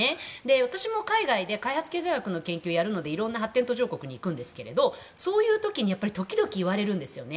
私も海外で開発経済学の研究をやるので色々な発展途上国に行くんですがそういう時に時々、言われるんですよね。